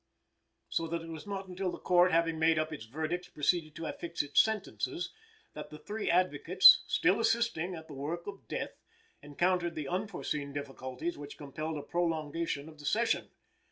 So that it was not until the Court, having made up its verdicts, proceeded to affix its sentences, that the three advocates, still assisting at the work of death, encountered the unforeseen difficulties which compelled a prolongation of the session.